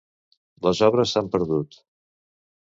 Les obres s'han perdut.